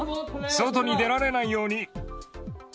外に出られないように。